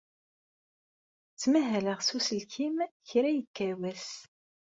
Ttmahaleɣ s uselkim kra yekka wass.